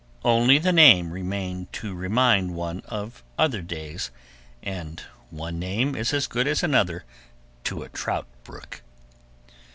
Only the name remained to remind one of other days, and one name is as good as another to a trout brook.